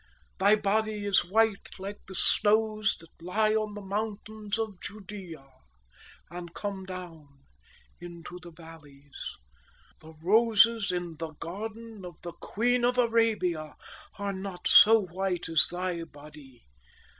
Thy body is white like the snows that lie on the mountains of Judea, and come down into the valleys. The roses in the garden of the Queen of Arabia are not so white as thy body.